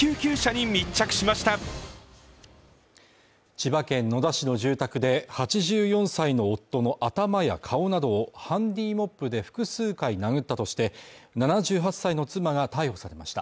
千葉県野田市の住宅で、８４歳の夫の頭や顔などをハンディーモップで複数回殴ったとして、７８歳の妻が逮捕されました。